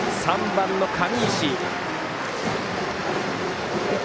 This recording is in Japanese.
３番の上石。